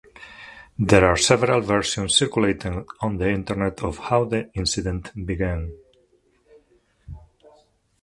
There are several versions circulating on the internet of how the incident began.